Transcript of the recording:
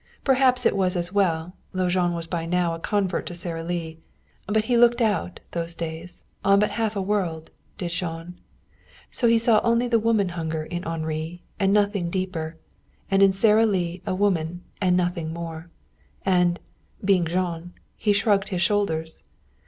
Perhaps it was as well, though Jean was by now a convert to Sara Lee. But he looked out, those days, on but half a world, did Jean. So he saw only the woman hunger in Henri, and nothing deeper. And in Sara Lee a woman, and nothing more. And being Jean he shrugged his shoulders.